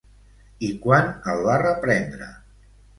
I quan el va reprendre?